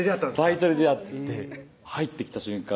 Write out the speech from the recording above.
バイトで出会って入ってきた瞬間